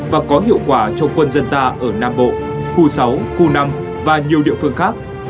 và có hiệu quả cho quân dân ta ở nam bộ khu sáu khu năm và nhiều địa phương khác